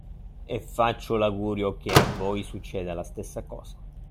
E faccio l'augurio che, a voi, succeda la stessa cosa.